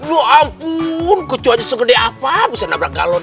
ya ampun kecoanya segede apa bisa nabrak galon